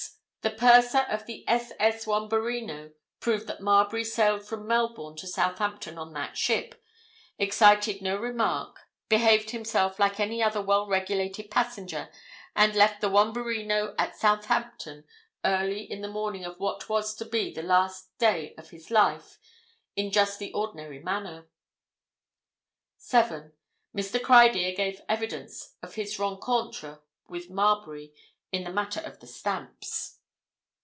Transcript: The purser of the ss. Wambarino proved that Marbury sailed from Melbourne to Southampton on that ship, excited no remark, behaved himself like any other well regulated passenger, and left the Wambarino at Southampton early in the morning of what was to be the last day of his life in just the ordinary manner. 7. Mr. Criedir gave evidence of his rencontre with Marbury in the matter of the stamps.